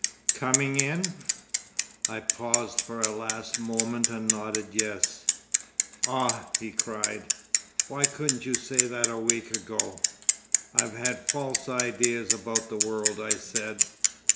"Coming in?" I paused for a last moment and nodded yes. "Ah!" he cried. "Why couldn't you say that a week ago?" "I've had false ideas about the world," I said.